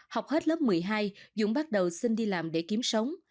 học hết lớp một mươi hai dũng bắt đầu xin đi làm để kiếm sống